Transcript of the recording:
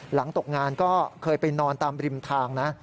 ตกงานก็เคยไปนอนตามริมทางนะ